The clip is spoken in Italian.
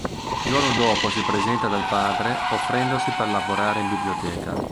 Il giorno dopo si presenta dal padre, offrendosi per lavorare in biblioteca.